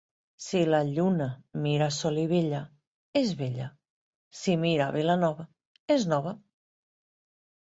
Si la lluna mira a Solivella, és vella; si mira a Vilanova és nova.